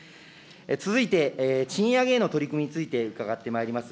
続いて、賃上げへの取り組みについて伺ってまいります。